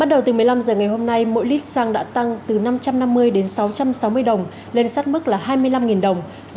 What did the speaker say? hai mươi bốn chín trăm chín mươi đồng một lít tăng sáu trăm sáu mươi đồng